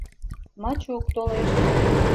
Мачук толеш.